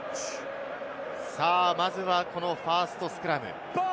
まずはファーストスクラム。